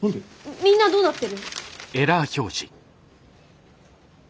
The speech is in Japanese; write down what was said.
みんなどうなってる？